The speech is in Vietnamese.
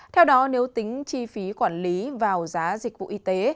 theo đó nếu tính chi phí quản lý vào giá dịch vụ y tế